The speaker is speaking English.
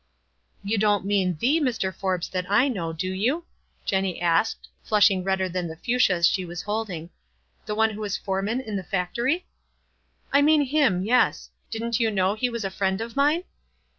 " You don't mean the Mr. Forbes that I know, do you ?" Jenny asked, flushing redder than the fuscias she was holding. " The one who is .Ore man in the factory ?"" I mean him — yes. Didn't you know Le was a friend of mine